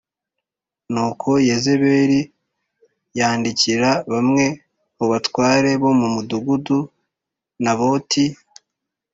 Nuko Yezebeli yandikira bamwe mu batware bo mu mudugudu Naboti